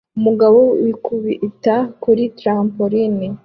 umugabo wikubita kuri trampoline